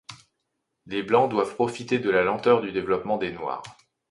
Les Blancs doivent profiter de la lenteur du développement des Noirs.